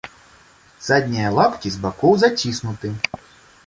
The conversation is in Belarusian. Заднія лапкі з бакоў заціснуты.